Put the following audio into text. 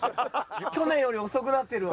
去年より遅くなってるわ。